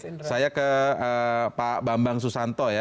terima kasih pak bambang susanto ya